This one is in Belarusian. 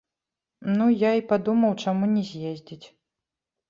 Ну, я і падумаў, чаму не з'ездзіць.